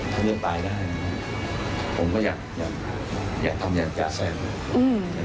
ถ้าเลือกไปได้นะครับผมก็อยากอยากอยากทำอยากจัดแสง